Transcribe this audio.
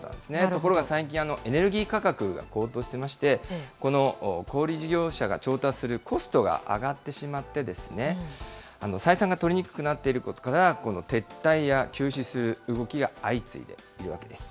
ところが最近、エネルギー価格が高騰してまして、この小売り事業者が調達するコストが上がってしまって、採算が取りにくくなっていることから、撤退や休止する動きが相次いでいるわけです。